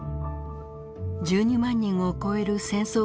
１２万人を超える戦争